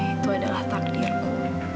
itu adalah takdirku